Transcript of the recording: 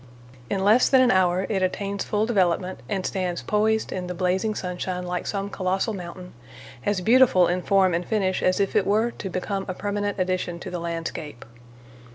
In less than an hour it attains full development and stands poised in the blazing sunshine like some colossal mountain, as beautiful in form and finish as if it were to become a permanent addition to the landscape.